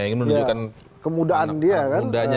ini menunjukkan kemudaan dia kan